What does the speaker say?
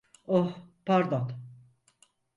Oh, pardon.